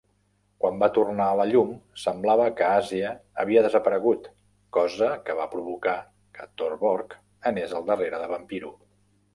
Quan va tornar a la llum, semblava que Asya havia desaparegut, cosa que va provocar que Torborg anés al darrere de Vampiro.